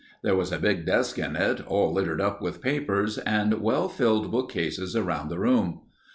There was a big desk in it, all littered up with papers, and well filled bookcases around the room.